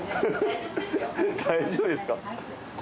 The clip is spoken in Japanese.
大丈夫ですか？